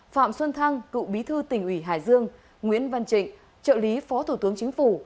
phạm xuân thăng cựu bí thư tỉnh ủy hải dương nguyễn văn trịnh trợ lý phó thủ tướng chính phủ